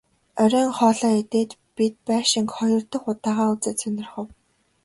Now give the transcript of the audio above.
Оройн хоолоо идээд бид байшинг хоёр дахь удаагаа үзэж сонирхов.